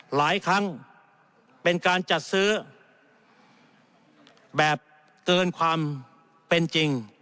หลายครั้งเป็นการจัดซื้อแบบเกินความเป็นจริง